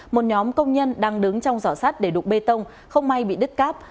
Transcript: một nhóm công nhân đang đứng trong giỏ sắt để đục bê tông không may bị đứt cáp